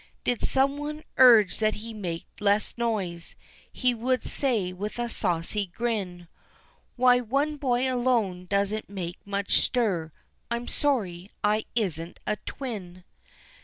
Did some one urge that he make less noise, He would say with a saucy grin, "Why, one boy alone doesn't make much stir I'm sorry I isn't a twin!